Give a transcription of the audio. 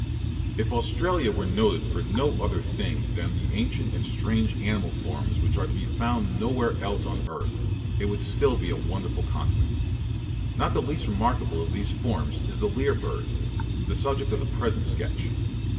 If Australia were noted for no other thing than the ancient and strange animal forms which are to be found nowhere else on the earth, it would still be a wonderful continent. Not the least remarkable of these forms is the lyre bird, the subject of the present sketch.